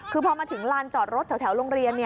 คือพอมาถึงลานจอดรถแถวโรงเรียน